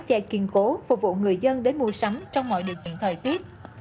tổng mái chạy kiên cố phục vụ người dân đến mua sắm trong mọi địa chỉnh thời tiết